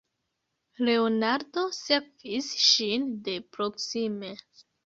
Leonardo sekvis ŝin de proksime.